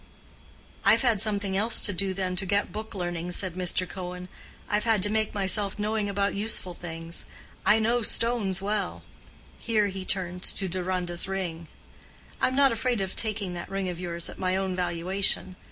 "I've had something else to do than to get book learning," said Mr. Cohen,—"I've had to make myself knowing about useful things. I know stones well,"—here he pointed to Deronda's ring. "I'm not afraid of taking that ring of yours at my own valuation.